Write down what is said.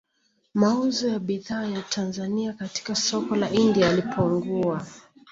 Mauzo ya bidhaa za Tanzania katika soko la India yalipungua